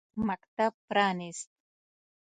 مکتب پرانیست.